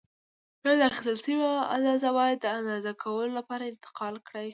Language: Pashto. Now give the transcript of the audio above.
بیا دا اخیستل شوې اندازه باید د اندازه کولو لپاره انتقال کړای شي.